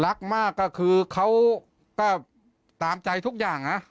รักมากก็คือเขาก็ตามใจทุกอย่างนะ